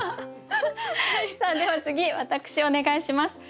では次私お願いします。